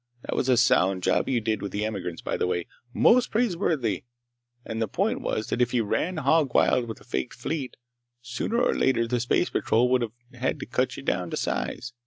That was a sound job you did with the emigrants, by the way. Most praiseworthy! And the point was that if you ran hogwild with a faked fleet, sooner or later the Space Patrol would have to cut you down to size.